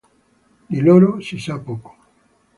Di loro si sa poco.